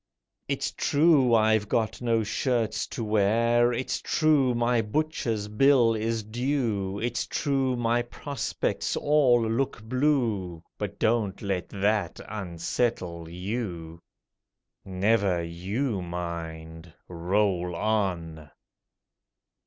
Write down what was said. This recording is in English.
It's true I've got no shirts to wear; It's true my butcher's bill is due; It's true my prospects all look blue— But don't let that unsettle you! Never you mind! Roll on!